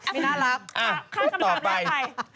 มีน่ารัก